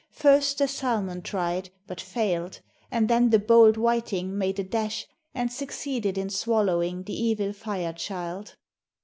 First the salmon tried, but failed, and then the bold whiting made a dash and succeeded in swallowing the evil Fire child.